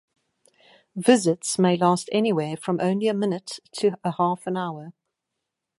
Visits may last anywhere from only a minute to a half an hour.